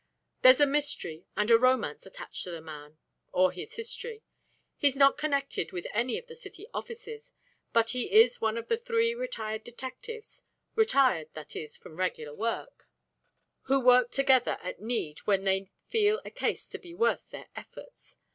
There's a mystery and a romance attached to the man, or his history. He's not connected with any of the city offices, but he is one of three retired detectives retired, that is, from regular work who work together at need when they feel a case to be worth their efforts.